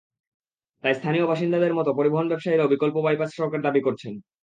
তাই স্থানীয় বাসিন্দাদের মতো পরিবহন ব্যবসায়ীরাও বিকল্প বাইপাস সড়কের দাবি করছেন।